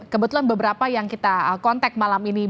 kebetulan beberapa yang kita kontak malam ini